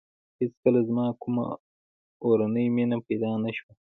هېڅکله زما کومه اورنۍ مینه پیدا نه شوه.